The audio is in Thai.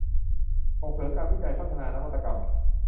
ส่งเสริมการวิจัยพัฒนานวัตกรรม